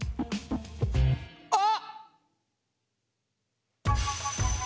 あっ！